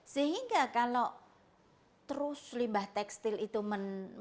sehingga kalau terus limbah tekstil itu